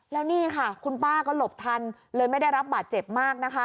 แล้วนี่ค่ะคุณป้าก็หลบทันเลยไม่ได้รับบาดเจ็บมากนะคะ